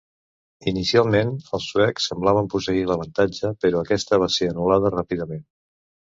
Inicialment els suecs semblaven posseir l'avantatge, però aquesta va ser anul·lada ràpidament.